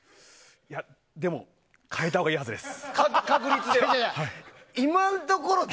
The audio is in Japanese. でも、変えたほうがいいはずです。